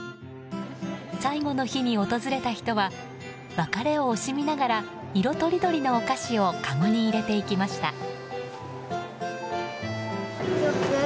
最後の日に訪れた人は別れを惜しみながら色とりどりのお菓子をかごに入れていきました。